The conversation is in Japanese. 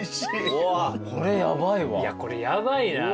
いやこれヤバいな。